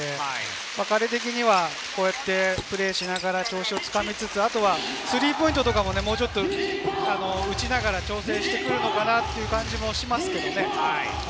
彼的には好プレーしながら調子をつかみつつ、後はスリーポイントとかも打ちながら調整してくるのかなという感じもしますけどね。